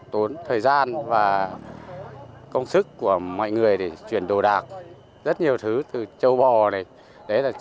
tốn thời gian và công sức của mọi người để chuyển đồ đạc rất nhiều thứ từ châu bò này